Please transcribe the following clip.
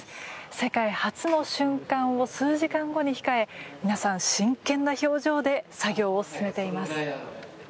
世界初の瞬間を数時間後に控え皆さん、真剣な表情で作業を進めています。